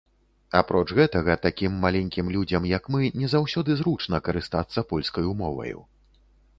Апроч гэтага, такім маленькім людзям, як мы, не заўсёды зручна карыстацца польскаю моваю.